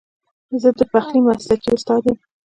زه د پخلي مسلکي استاد یم